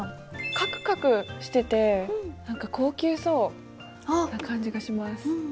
カクカクしてて何か高級そうな感じがします。